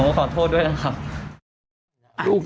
ขอโทษด้วยนะครับ